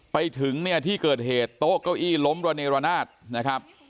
ไปถึงที่เกิดเหตุโต๊ะเก้าอี้ล้มรณรณาศนะครับ